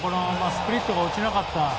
スプリットが落ちなかった。